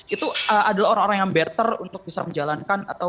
itu ada orang orang yang better untuk bisa menangani itu